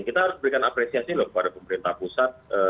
kita harus berikan apresiasi loh kepada pemerintah pusat